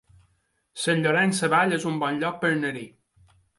Sant Llorenç Savall es un bon lloc per anar-hi